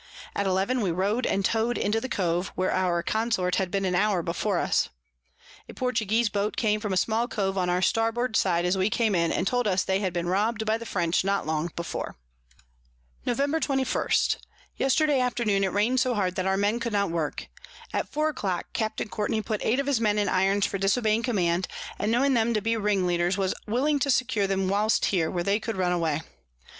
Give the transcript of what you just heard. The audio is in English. At eleven we row'd and tow'd into the Cove, where our Consort had been an hour before us: A Portuguese Boat came from a small Cove on our Starboard side as we came in, and told us they had been rob'd by the French not long before. Nov. 21. Yesterday Afternoon it rain'd so hard that our Men could not work. At four a clock Capt. Courtney put eight of his Men in Irons for disobeying Command; and knowing 'em to be Ringleaders, was willing to secure them whilst here, where they could run away.